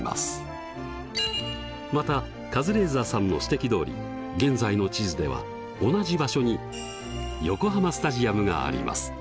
またカズレーザーさんの指摘どおり現在の地図では同じ場所に横浜スタジアムがあります。